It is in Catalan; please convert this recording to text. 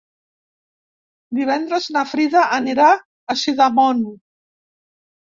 Divendres na Frida anirà a Sidamon.